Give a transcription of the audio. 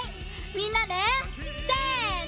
みんなでせの！